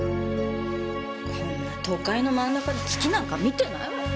こんな都会の真ん中で月なんか見てないわよ！